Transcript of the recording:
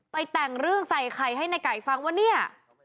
แต่งเรื่องใส่ไข่ให้ในไก่ฟังว่าเนี่ย